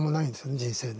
人生で。